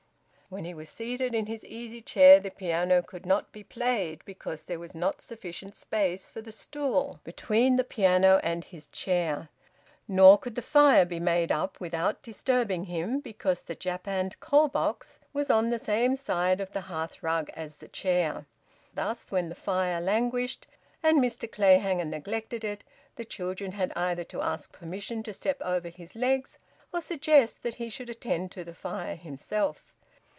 When he was seated in his easy chair the piano could not be played, because there was not sufficient space for the stool between the piano and his chair; nor could the fire be made up without disturbing him, because the japanned coal box was on the same side of the hearth rug as the chair. Thus, when the fire languished and Mr Clayhanger neglected it, the children had either to ask permission to step over his legs, or suggest that he should attend to the fire himself.